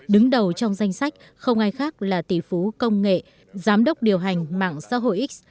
đứng đầu trong danh sách không ai khác là tỷ phú công nghệ giám đốc điều hành mạng xã hội x